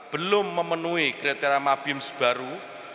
belum memenuhi kriteria mabim sebaru